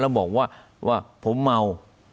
และบอกว่าว่าผมเมา